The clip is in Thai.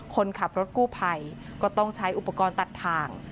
คนขับรถกู้ภัยก็ต้องใช้อุปกรณ์ตัดทาง